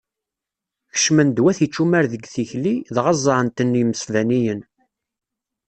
Kecmen-d wat icumar deg tikli, dɣa ẓẓɛen-ten yimesbaniyen.